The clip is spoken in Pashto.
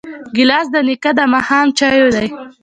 ګیلاس د نیکه د ماښام چایو دی.